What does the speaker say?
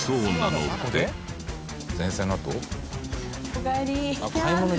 おかえり。